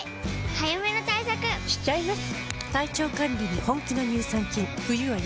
早めの対策しちゃいます。